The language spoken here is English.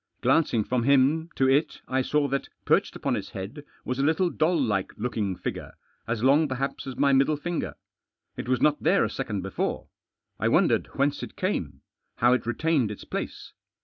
Glancing from him to it I saw that, perched uport its head, was a little doll like looking figure, as long, perhaps, as my middle finger. It was not there a second before. I wondered whence it came, how it retained its place.